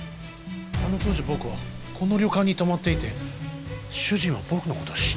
あの当時僕はこの旅館に泊まっていて主人は僕のことを知っていた。